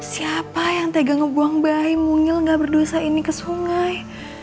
siapa yang tega ngebuang bayi mungil gak berdosa ini ke sungai